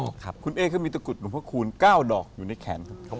คุณเอเขามีตะกุดหลวงพระคูณ๙ดอกอยู่ในแขนครับ